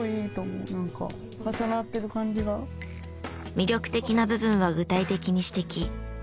魅力的な部分は具体的に指摘。